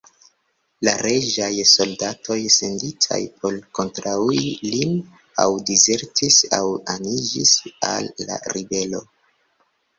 La reĝaj soldatoj senditaj por kontraŭi lin aŭ dizertis aŭ aniĝis al la ribelo.